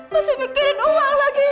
masih mikirin uang lagi